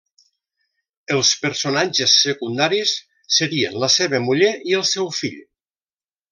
Els personatges secundaris serien la seva muller i el seu fill.